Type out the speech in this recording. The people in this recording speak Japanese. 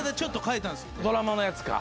ドラマのやつか。